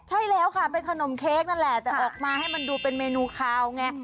ใช่แล้วค่ะเป็นขนมเค้กนั่นแหละแต่ออกมาให้มันดูเป็นเมนูคาวไง